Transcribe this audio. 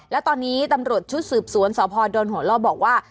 และตอนนี้ตำรวจชุดสืบสวนสพดนหัวล่อบอกว่า